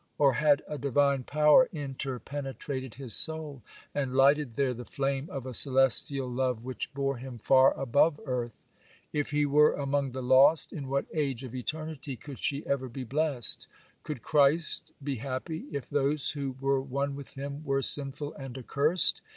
or had a divine power interpenetrated his soul, and lighted there the flame of a celestial love which bore him far above earth? If he were among the lost, in what age of eternity could she ever be blessed? Could Christ be happy, if those who were one with Him were sinful and accursed?